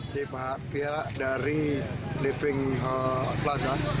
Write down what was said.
di pihak dari living plaza